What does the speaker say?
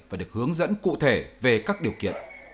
và được hướng dẫn cụ thể về các điều kiện